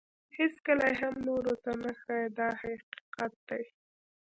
هیڅکله یې هم نورو ته نه ښایي دا حقیقت دی.